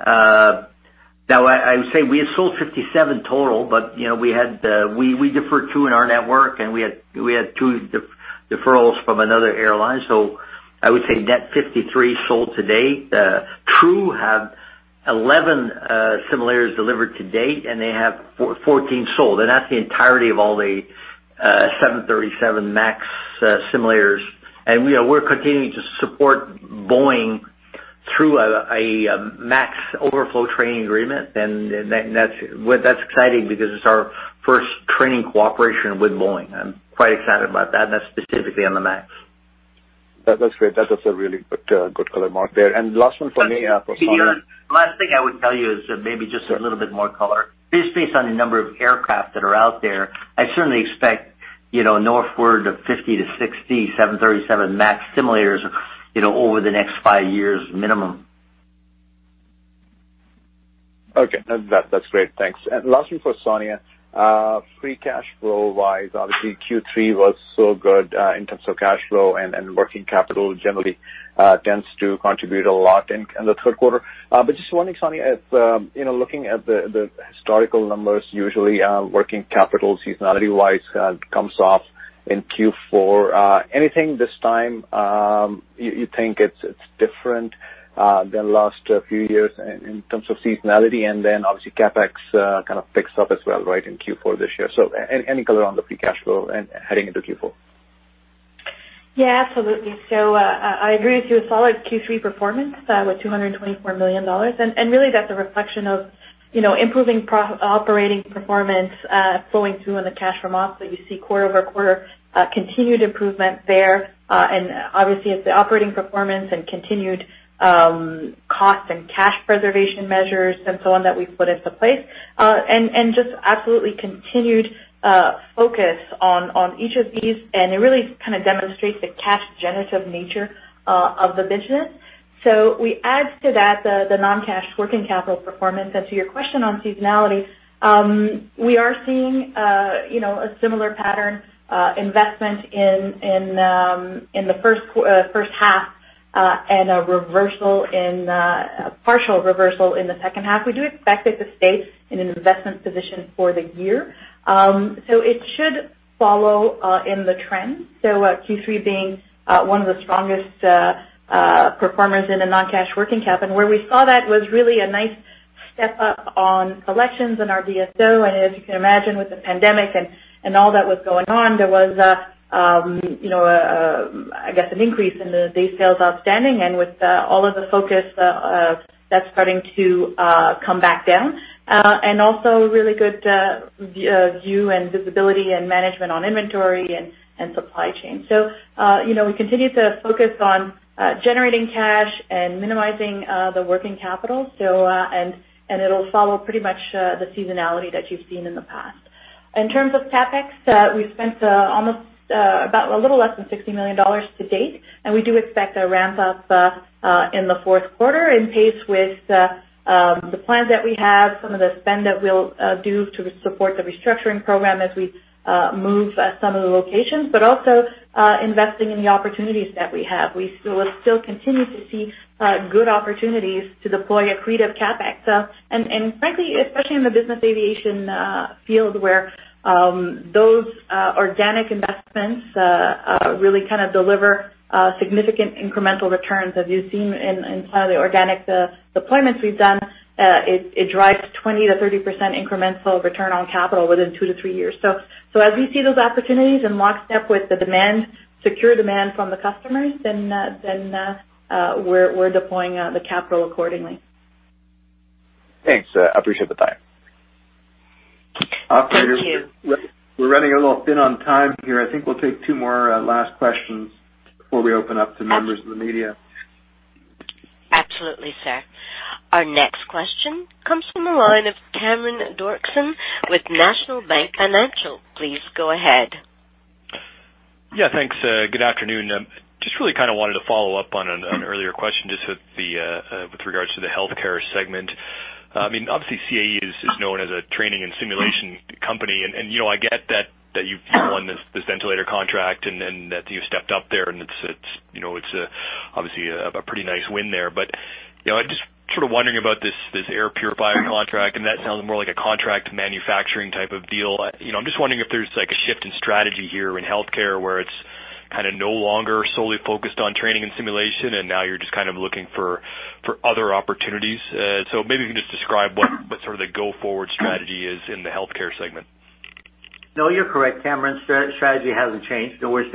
I would say we have sold 57 total, we deferred two in our network, we had two deferrals from another airline. I would say net 53 sold to date. TRU have 11 simulators delivered to date, they have 14 sold, that's the entirety of all the 737 MAX simulators. We're continuing to support Boeing through a MAX Overflow Training Agreement, that's exciting because it's our first training cooperation with Boeing. I'm quite excited about that's specifically on the MAX. That's great. That's a really good color, Marc, there. Last one for me for Sonya. The last thing I would tell you is maybe just a little bit more color. Just based on the number of aircraft that are out there, I certainly expect northward of 50 to 60 737 MAX simulators over the next five years minimum. Okay. That's great. Thanks. Last one for Sonya. Free cash flow wise, obviously Q3 was so good in terms of cash flow, and working capital generally tends to contribute a lot in the third quarter. Just wondering, Sonya, looking at the historical numbers, usually working capital seasonality-wise comes off in Q4. Anything this time you think it's different than last few years in terms of seasonality? Then obviously CapEx kind of picks up as well right in Q4 this year. Any color on the free cash flow heading into Q4? Absolutely. I agree with you, a solid Q3 performance with 224 million dollars. Really that's a reflection of improving operating performance flowing through in the cash from ops that you see quarter-over-quarter, continued improvement there. Obviously it's the operating performance and continued cost and cash preservation measures and so on that we've put into place. Just absolutely continued focus on each of these, and it really kind of demonstrates the cash generative nature of the business. We add to that the non-cash working capital performance. To your question on seasonality, we are seeing a similar pattern investment in the first half and a partial reversal in the second half. We do expect it to stay in an investment position for the year. It should follow in the trend. Q3 being one of the strongest performers in a non-cash working capital. Where we saw that was really a nice step up on collections and our DSO. As you can imagine with the pandemic and all that was going on, there was, I guess, an increase in the day sales outstanding and with all of the focus, that's starting to come back down. Also really good view and visibility and management on inventory and supply chain. We continue to focus on generating cash and minimizing the working capital. It'll follow pretty much the seasonality that you've seen in the past. In terms of CapEx, we've spent a little less than 60 million dollars to date, and we do expect a ramp up in the fourth quarter in pace with the plans that we have, some of the spend that we'll do to support the restructuring program as we move some of the locations. Also investing in the opportunities that we have. We still continue to see good opportunities to deploy accretive CapEx. Frankly, especially in the business aviation field where those organic investments really kind of deliver significant incremental returns as you've seen in some of the organic deployments we've done. It drives 20%-30% incremental return on capital within two to three years. As we see those opportunities in lockstep with the secure demand from the customers, then we're deploying the capital accordingly. Thanks. I appreciate the time. Thank you. Operator, we are running a little thin on time here. I think we will take two more last questions before we open up to members of the media. Absolutely, sir. Our next question comes from the line of Cameron Doerksen with National Bank Financial. Please go ahead. Thanks. Good afternoon. Just really kind of wanted to follow up on an earlier question just with regards to the healthcare segment. I mean, obviously CAE is known as a training and simulation company, and I get that you've won this ventilator contract and that you stepped up there and it's obviously a pretty nice win there. I'm just sort of wondering about this air purifier contract, and that sounds more like a contract manufacturing type of deal. I'm just wondering if there's a shift in strategy here in healthcare where it's kind of no longer solely focused on training and simulation, and now you're just kind of looking for other opportunities. Maybe you can just describe what sort of the go-forward strategy is in the healthcare segment. No, you're correct, Cameron. Strategy hasn't changed. We're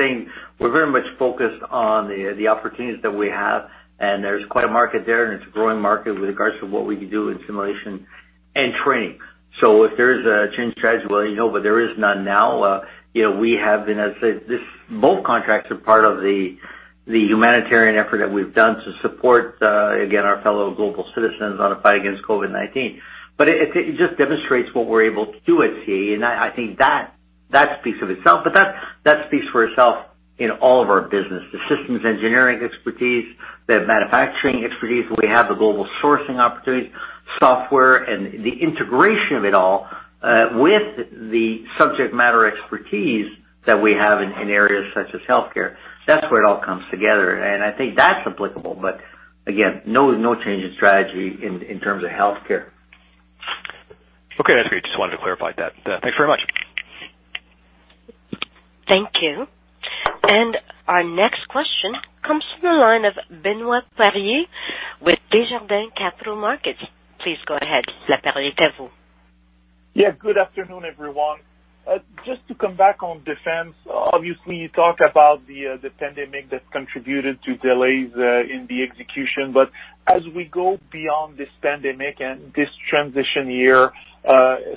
very much focused on the opportunities that we have, and there's quite a market there, and it's a growing market with regards to what we can do in simulation and training. If there is a change in strategy, we'll let you know, but there is none now. Both contracts are part of the humanitarian effort that we've done to support, again, our fellow global citizens on a fight against COVID-19. It just demonstrates what we're able to do at CAE, and I think that speaks for itself. That speaks for itself in all of our business. The systems engineering expertise, the manufacturing expertise, we have the global sourcing opportunities, software, and the integration of it all with the subject matter expertise that we have in areas such as healthcare. That's where it all comes together, and I think that's applicable. Again, no change in strategy in terms of healthcare. Okay, that's great. Just wanted to clarify that. Thanks very much. Thank you. Our next question comes from the line of Benoit Poirier with Desjardins Capital Markets. Please go ahead. Good afternoon, everyone. Just to come back on defense, obviously you talked about the pandemic that contributed to delays in the execution. As we go beyond this pandemic and this transition year,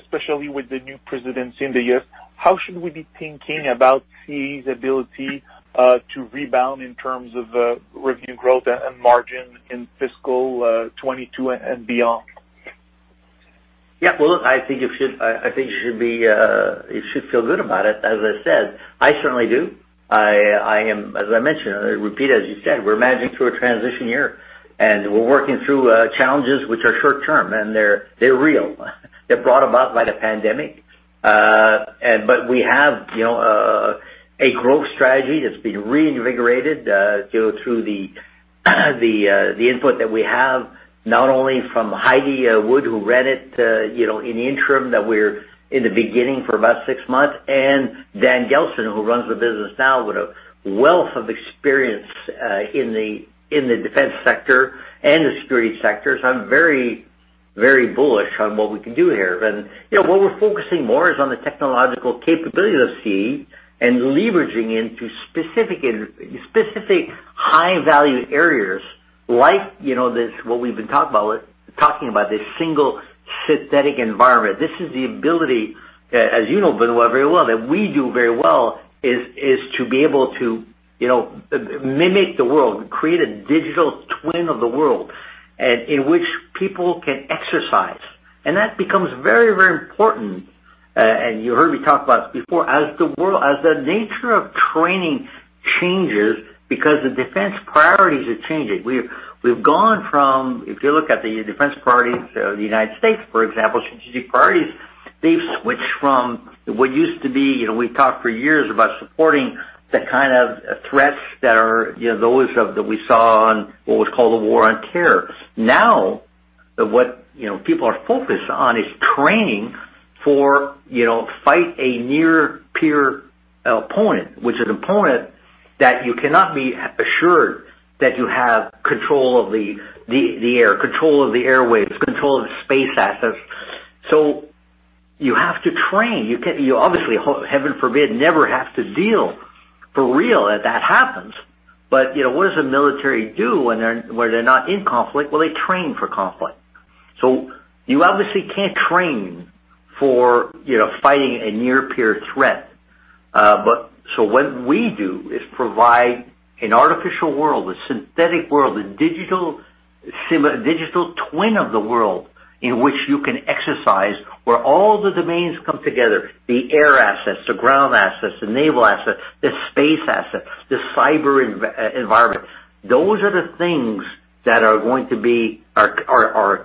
especially with the new presidency in the U.S., how should we be thinking about CAE's ability to rebound in terms of revenue growth and margin in fiscal 2022 and beyond? Yeah. Well, look, I think you should feel good about it. As I said, I certainly do. As I mentioned, and I repeat, as you said, we're managing through a transition year, and we're working through challenges which are short-term, and they're real. They're brought about by the pandemic. We have a growth strategy that's been reinvigorated through the input that we have, not only from Heidi Wood, who ran it in the interim that we're in the beginning for about six months, and Dan Gelston, who runs the business now with a wealth of experience in the defense sector and the security sector. I'm very bullish on what we can do here. What we're focusing more is on the technological capability of CAE and leveraging into specific high-value areas like what we've been talking about, this Single Synthetic Environment. This is the ability, as you know Benoit Poirier very well, that we do very well, is to be able to mimic the world, create a digital twin of the world, in which people can exercise. That becomes very important, and you heard me talk about this before, as the nature of training changes because the defense priorities are changing. We've gone from, if you look at the defense priorities of the United States, for example, strategic priorities, they've switched from what used to be, we've talked for years about supporting the kind of threats that are those that we saw on what was called the War on Terror. What people are focused on is training for fight a near peer opponent, which is an opponent that you cannot be assured that you have control of the air, control of the airwaves, control of the space assets. You have to train. You obviously, heaven forbid, never have to deal for real that that happens. What does the military do when they're not in conflict? Well, they train for conflict. You obviously can't train for fighting a near peer threat. What we do is provide an artificial world, a synthetic world, a digital twin of the world in which you can exercise where all the domains come together, the air assets, the ground assets, the naval assets, the space assets, the cyber environment. Those are the things that are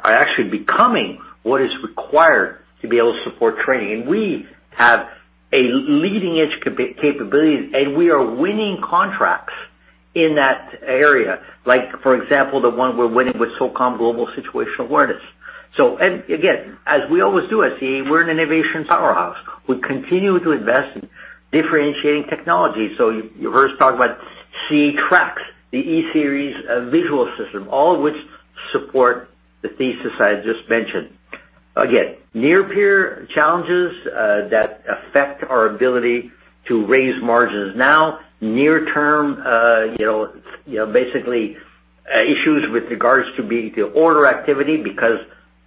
actually becoming what is required to be able to support training. We have a leading-edge capability, and we are winning contracts in that area. Like for example, the one we're winning with SOCOM Global Situational Awareness. Again, as we always do at CAE, we're an innovation powerhouse. We continue to invest in differentiating technology. You heard us talk about CAE Trax, the CAE e-Series visual system, all of which support the thesis I just mentioned. Again, near peer challenges that affect our ability to raise margins. Now, near term, basically, issues with regards to the order activity because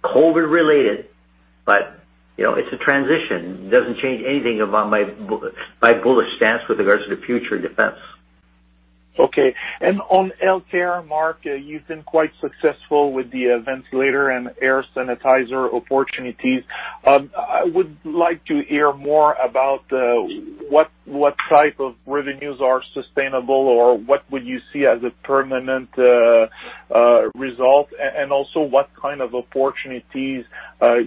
COVID-related, but it's a transition. It doesn't change anything about my bullish stance with regards to the future of defense. Okay. On healthcare, Marc, you've been quite successful with the ventilator and air sanitizer opportunities. I would like to hear more about what type of revenues are sustainable or what would you see as a permanent result, and also what kind of opportunities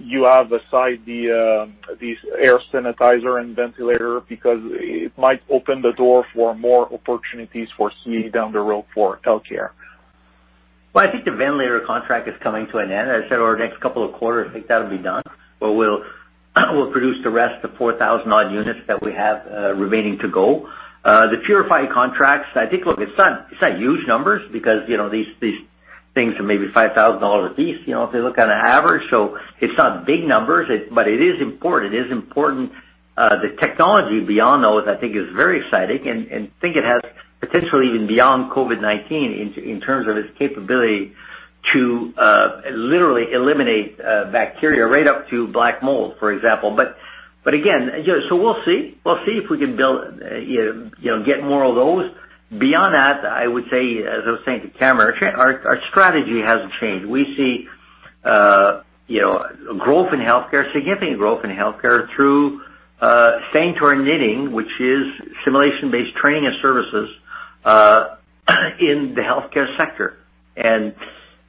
you have aside these air sanitizer and ventilator, because it might open the door for more opportunities for CAE down the road for healthcare. Well, I think the ventilator contract is coming to an end. As I said, over the next couple of quarters, I think that'll be done, where we'll produce the rest of the 4,000 odd units that we have remaining to go. The Purify contracts, I think, look, it's not huge numbers because these things are maybe 5,000 dollars a piece, if they look at an average. It's not big numbers, but it is important. The technology beyond those, I think is very exciting, and think it has potentially even beyond COVID-19 in terms of its capability to literally eliminate bacteria right up to black mold, for example. Again, we'll see if we can build, get more of those. Beyond that, I would say, as I was saying to Cameron, our strategy hasn't changed. We see significant growth in healthcare through staying to our knitting, which is simulation-based training and services, in the healthcare sector.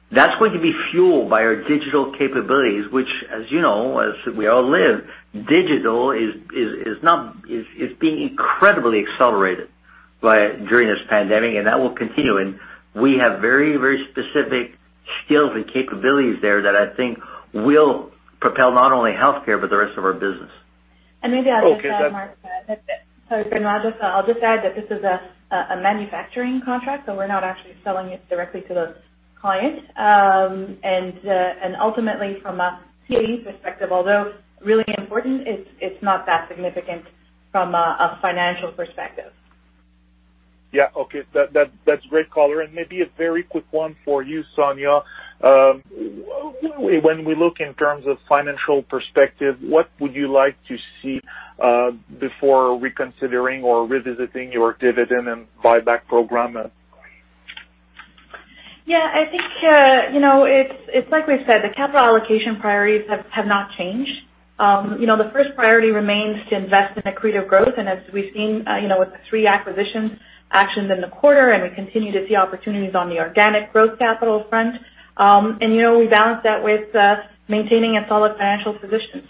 That's going to be fueled by our digital capabilities, which, as you know, as we all live, digital is being incredibly accelerated during this pandemic, and that will continue. We have very specific skills and capabilities there that I think will propel not only healthcare but the rest of our business. Okay, that- Maybe I'll just add, Marc. Sorry, Benoit, I'll just add that this is a manufacturing contract, so we're not actually selling it directly to the client. Ultimately from a CAE perspective, although really important, it's not that significant from a financial perspective. Yeah. Okay. That's great, color. Maybe a very quick one for you, Sonya. When we look in terms of financial perspective, what would you like to see before reconsidering or revisiting your dividend and buyback program? Yeah, I think, it's like we said, the capital allocation priorities have not changed. The first priority remains to invest in accretive growth, as we've seen with the three acquisitions actions in the quarter, we continue to see opportunities on the organic growth capital front. We balance that with maintaining a solid financial position.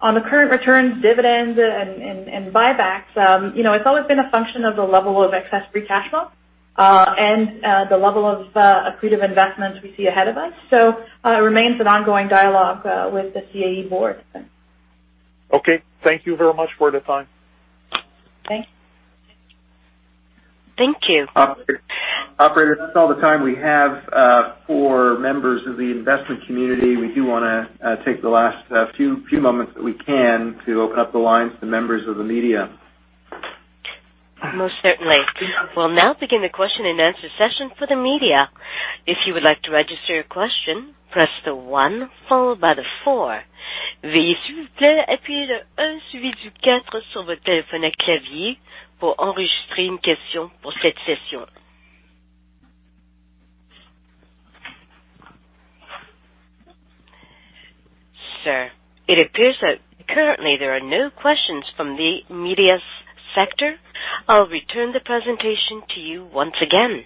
On the current returns, dividends, and buybacks, it's always been a function of the level of excess free cash flow, and the level of accretive investments we see ahead of us. It remains an ongoing dialogue with the CAE board. Okay. Thank you very much for the time. Thanks. Thank you. Operator, that's all the time we have for members of the investment community. We do want to take the last few moments that we can to open up the lines to members of the media. Most certainly. We'll now begin the question and answer session for the media. If you would like to register your question, press the one followed by the four. Sir, it appears that currently there are no questions from the media sector. I'll return the presentation to you once again.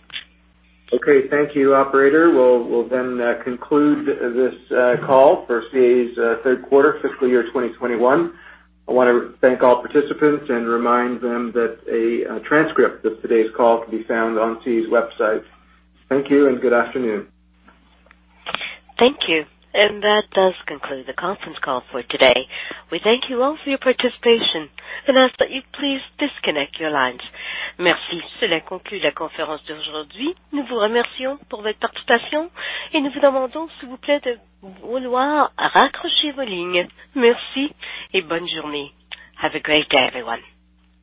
Okay. Thank you, Operator. We'll conclude this call for CAE's third quarter fiscal year 2021. I want to thank all participants and remind them that a transcript of today's call can be found on CAE's website. Thank you and good afternoon. Thank you. That does conclude the conference call for today. We thank you all for your participation and ask that you please disconnect your lines. Have a great day, everyone.